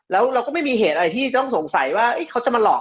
แล้วเราก็ไม่มีเหตุอะไรที่ต้องสงสัยว่าเขาจะมาหลอก